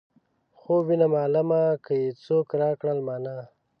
خوب وينم عالمه که یې څوک راکړل مانا.